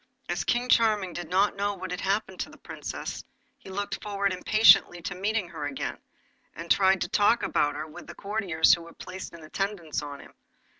As King Charming did not know what had happened to the Princess, he looked forward impatiently to meeting her again, and he tried to talk about her with the courtiers who were placed in attendance on him.